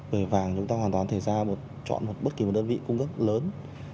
về vàng chúng ta hoàn toàn thể ra chọn bất kỳ một đơn vị cung cấp lớn